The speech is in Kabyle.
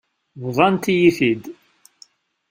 Bḍant-iyi-t-id.